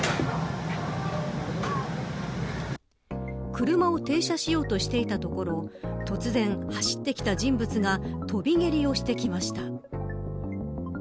車を停車しようとしていたところ突然、走ってきた人物が跳び蹴りをしてきました。